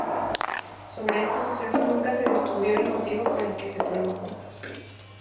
Sobre este suceso nunca se descubrió el motivo por el que se produjo.